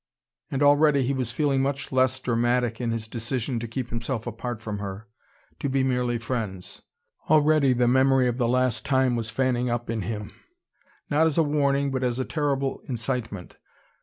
And already he was feeling much less dramatic in his decision to keep himself apart from her, to be merely friends. Already the memory of the last time was fanning up in him, not as a warning but as a terrible incitement.